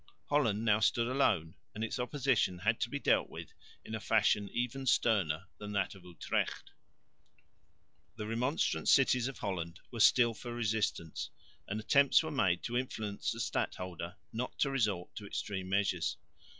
Holland now stood alone, and its opposition had to be dealt with in a fashion even sterner than that of Utrecht. The Remonstrant cities of Holland were still for resistance, and attempts were made to influence the stadholder not to resort to extreme measures.